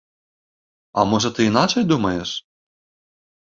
А можа ты іначай думаеш?